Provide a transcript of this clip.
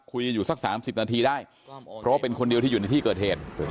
คุยกันอยู่สัก๓๐นาทีได้เพราะว่าเป็นคนเดียวที่อยู่ในที่เกิดเหตุ